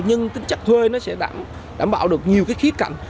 nhưng tính chắc thuê nó sẽ đảm bảo được nhiều cái khía cạnh